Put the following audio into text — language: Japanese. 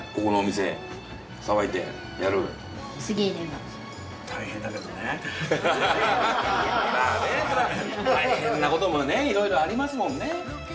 それは大変なこともねいろいろありますもんね。